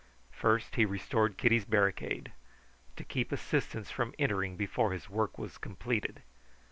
First he restored Kitty's barricade to keep assistance from entering before his work was completed.